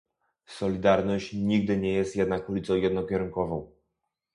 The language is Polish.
Solidarność nigdy nie jest jednak ulicą jednokierunkową